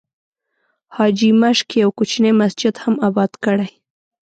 حاجي ماشک یو کوچنی مسجد هم آباد کړی.